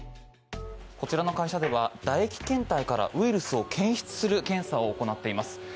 こちらの会社ではだ液検体からウイルスを検出する検査を行っています。